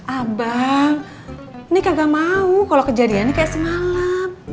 abang nih kagak mau kalo kejadiannya kayak semalam